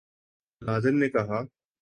ملازم نے کہا